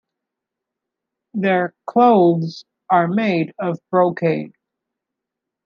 Their clothes are made of brocade.